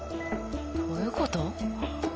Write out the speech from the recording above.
どういうこと？